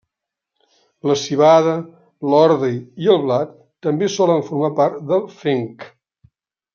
La civada, l'ordi i el blat també solen formar part del fenc.